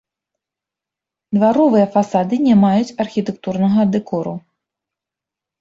Дваровыя фасады не маюць архітэктурнага дэкору.